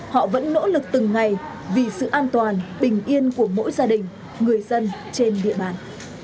họ vẫn nỗ lực từng ngày vì sự an toàn bình yên của mỗi gia đình người dân trên địa bàn